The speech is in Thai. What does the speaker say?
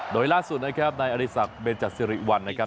โดยล่าสุดนะครับนายอริสักเบนจัดสิริวัลนะครับ